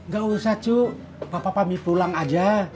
gak usah cu papa pamit pulang aja